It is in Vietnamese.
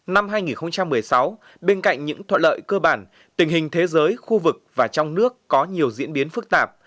năm hai nghìn một mươi sáu bên cạnh những thuận lợi cơ bản tình hình thế giới khu vực và trong nước có nhiều diễn biến phức tạp